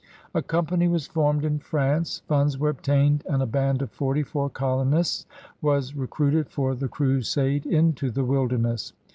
A company was formed in France, funds were obtained, and a band of forty four colonists was recruited for the crusade into the wilderness.